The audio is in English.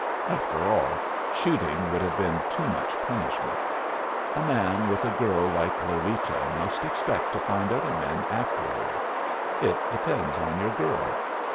After all, shooting would have been too much punishment. A man with a girl like Lolita must expect to find other men after her. It depends on your girl.